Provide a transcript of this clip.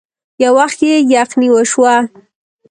يو وخت يې يخنې وشوه.